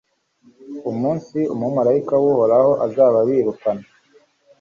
umunsi umumalayika w’Uhoraho azaba abirukana